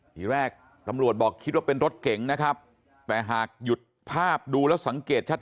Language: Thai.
ทีแรกตำรวจบอกคิดว่าเป็นรถเก๋งนะครับแต่หากหยุดภาพดูแล้วสังเกตชัด